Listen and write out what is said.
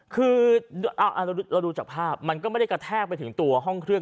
คือเราดูจากภาพมันก็ไม่ได้กระแทกไปถึงตัวห้องเครื่อง